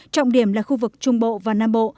trọng điểm là khu vực trung bộ và nam bộ